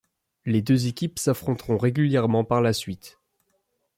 Les deux équipes s’affronteront régulièrement par la suite.